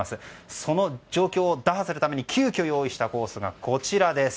その状況を打破するために急きょ用意したコースがこちら。